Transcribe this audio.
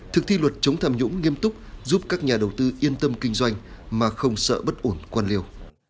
thực thi luật chống tham nhũng nghiêm túc giúp các nhà đầu tư yên tâm kinh doanh mà không sợ bất ổn quan liều